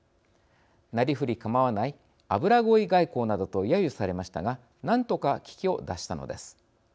なりふり構わない油乞い外交などとやゆされましたがなんとか危機を脱したのです。